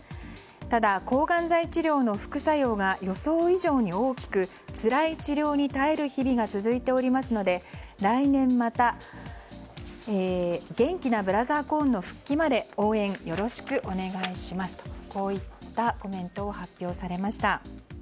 ただ、抗がん剤治療の副作用が予想以上に大きくつらい治療に耐える日々が続いておりますので来年また、元気なブラザー・コーンの復帰まで応援よろしくお願いしますとこういったコメントを発表されました。